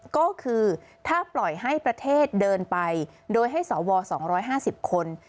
ก็คือถ้าปล่อยให้ประเทศเดินไปโดยให้สว๒๕๐คน